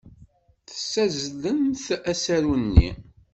Tessazzlemt asaru-nni.